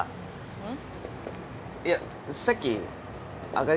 うん。